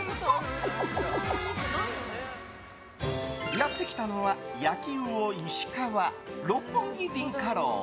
やってきたのは焼うおいし川六本木凛華楼。